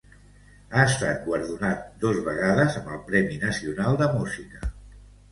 Ha estat guardonat dos vegades amb el Premi Nacional de Música.